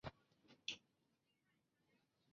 众人写的书信不幸被军方看见。